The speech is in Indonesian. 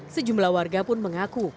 sejumlah warga pun mengaku